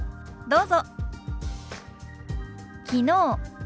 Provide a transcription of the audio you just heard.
どうぞ。